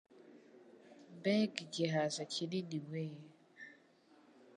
Mbega igihaza kinini we!